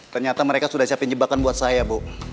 ternyata mereka sudah siapin jebakan buat saya bu